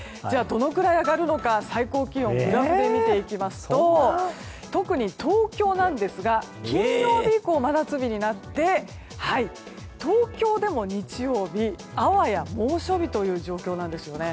どのくらい上がるのか最高気温をグラフで見ていきますと特に東京なんですが金曜日以降、真夏日になって東京でも日曜日あわや猛暑日という状況なんですよね。